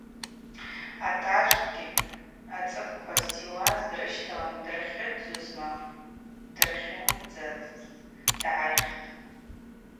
Атажвгьи ацӏыквква зтиуаз дрыщталын дырхьыдзузма, дгьырхьымдзатӏ, дгӏайхтӏ.